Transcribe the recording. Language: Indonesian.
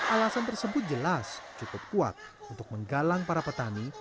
alasan tersebut jelas cukup kuat untuk menggalang para petani